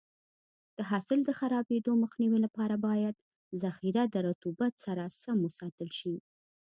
د حاصل د خرابېدو مخنیوي لپاره باید ذخیره د رطوبت سره سم وساتل شي.